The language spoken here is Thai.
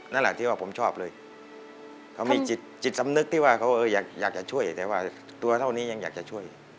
นั่นแหละที่ว่าผมชอบเลยเขามีจิตสำนึกที่ว่าเขาอยากจะช่วยแต่ว่าตัวเท่านี้ยังอยากจะช่วย